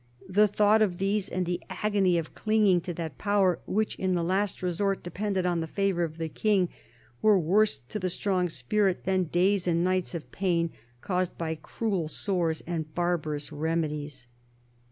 The thought of these, and the agony of clinging to that power which, in the last resort, depended on the favour of the King, were worse to the strong spirit than days and nights of pain caused by cruel sores and barbarous remedies.